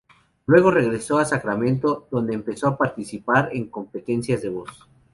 Luego, regresó a Sacramento, donde empezó a participar en competencias de voz.